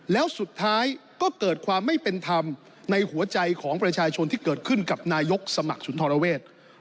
แล้วสุดท้ายก็เกิดความไม่เป็นธรรมในหัวใจของประชาชนที่เกิดขึ้นกับนายกสมัครสุนทรเวท